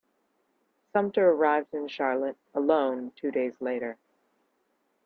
Sumter arrived in Charlotte, alone, two days later.